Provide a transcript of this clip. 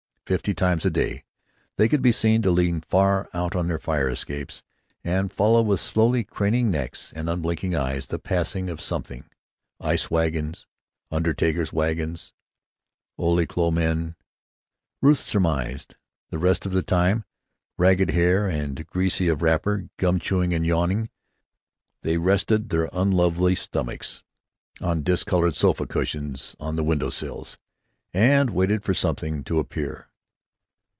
Fifty times a day they could be seen to lean far out on their fire escapes and follow with slowly craning necks and unblinking eyes the passing of something—ice wagons, undertakers' wagons, ole clo' men, Ruth surmised. The rest of the time, ragged haired and greasy of wrapper, gum chewing and yawning, they rested their unlovely stomachs on discolored sofa cushions on the window sills and waited for something to appear.